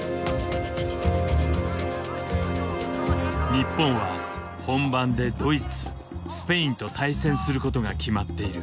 日本は本番でドイツスペインと対戦することが決まっている。